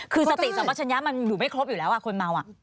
คือสติสัมปัชญะมันอยู่ไม่ครบอยู่แล้วคนเมา